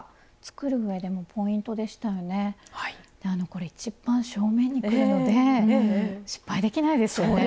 これ一番正面にくるので失敗できないですよね。